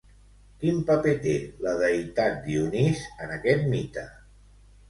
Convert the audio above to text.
Quin paper té la deïtat Dionís en aquest mite?